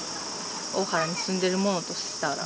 大原に住んでる者としたら。